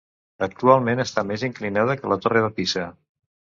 Actualment està més inclinada que la Torre de Pisa.